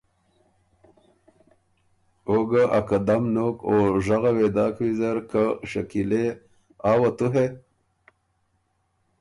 او ګۀ ا قدم نوک او ژغه وې داک ویزر که ”شکیلې! آ وه تُو هې؟